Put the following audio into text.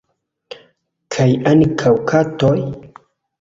Kaj ankaŭ katoj?